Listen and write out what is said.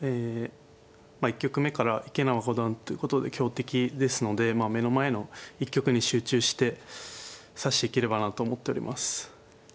一局目から池永五段ということで強敵ですのでまあ目の前の一局に集中して指していければなと思っております。